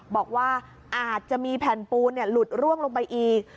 บอกว่าอาจจะมีแผ่นปูนหลุดร่วงลงไปอีก